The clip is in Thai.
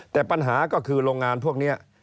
แต่ปัญหาก็คือโรงงานพวกนี้